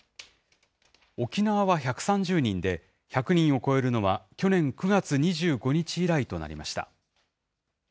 沖縄は１３０人で、１００人を超えるのは去年９月２５日以来となりました。